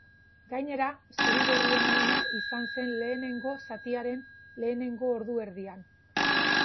Gainera, zuri-gorrien onena izan zen lehenengo zatiaren lehenengo ordu erdian.